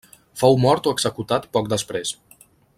Fou mort o executat poc després.